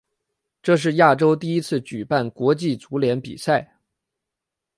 这是亚洲第一次举办国际足联比赛。